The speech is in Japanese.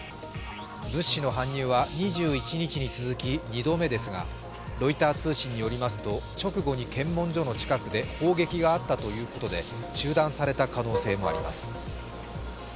物資の搬入は２１日に続き２度目ですがロイター通信によりますと直後に検問所の近くで砲撃があったということで中断された可能性もあります。